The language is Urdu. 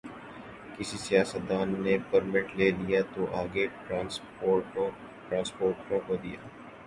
کسی سیاستدان نے پرمٹ لے لیا تو آگے ٹرانسپورٹروں کو دیا۔